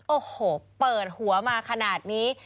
โอ้โหเปิดหัวมาขนาดนี้